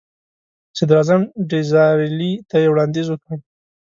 صدراعظم ډیزراییلي ته یې وړاندیز وکړ.